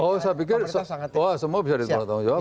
oh saya pikir semua bisa ditanggung jawab